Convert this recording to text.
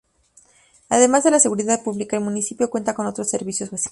Además de la seguridad pública, el municipio cuenta con otros servicios básicos.